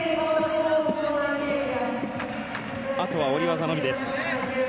あとは下り技のみ。